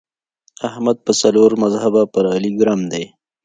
احمد په څلور مذهبه پر علي ګرم دی.